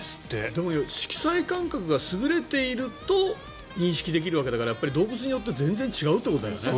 でも色彩感覚が優れていると認識できるわけだから動物によって全然違うってことだよね。